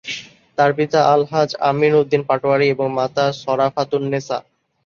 তার পিতা আলহাজ্ব আমিন উদ্দিন পাটোয়ারী এবং মাতা সরাফাতুন্নেছা।